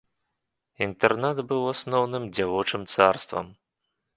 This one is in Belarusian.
Інтэрнат быў у асноўным дзявочым царствам.